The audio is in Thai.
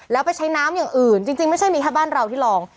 แล้วไปใช้น้ำอย่างอื่นจริงไม่ใช่มีแค่บ้านเราที่ลอง